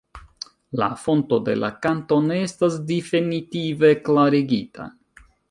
La fonto de la kanto ne estas definitive klarigita.